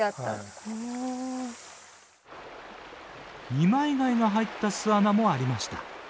二枚貝が入った巣穴もありました。